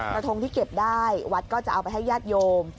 ทงที่เก็บได้วัดก็จะเอาไปให้ญาติโยม